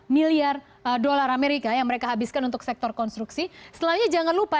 satu miliar dolar amerika yang mereka habiskan untuk sektor konstruksi setelahnya jangan lupa